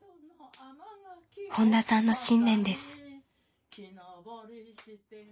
本田さんの信念です。